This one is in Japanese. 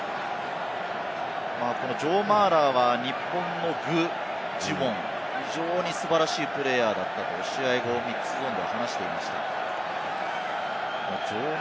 このジョー・マーラーは、日本の具智元、非常に素晴らしいプレーヤーだったと、ミックスゾーンで話していました。